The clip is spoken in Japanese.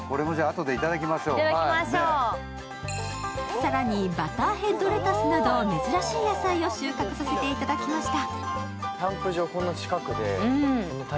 更にバターヘッドレタスなど珍しい野菜を収穫させていただきました。